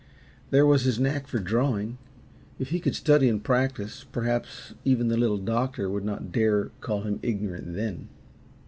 There was his knack for drawing; if he could study and practice, perhaps even the Little Doctor would not dare call him ignorant then.